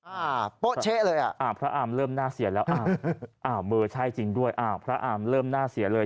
อ่าโป๊ะเช๊ะเลยอ่ะอ่าพระอามเริ่มน่าเสียแล้วอ่ามือใช่จริงด้วยอ่าพระอามเริ่มน่าเสียเลย